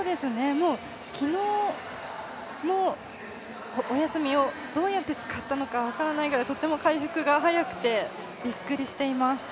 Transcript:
昨日のお休みをどうやって使ったのか分からないぐらい非常に回復が早くてびっくりしています。